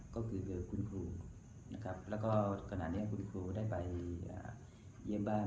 ก็คือเจอคุณครูนะครับแล้วก็ขณะนี้คุณครูได้ไปเยี่ยมบ้าน